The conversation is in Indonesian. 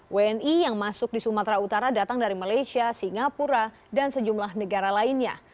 wni yang masuk di sumatera utara datang dari malaysia singapura dan sejumlah negara lainnya